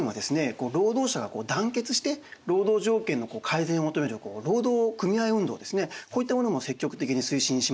労働者が団結して労働条件の改善を求める労働組合運動ですねこういったものも積極的に推進しました。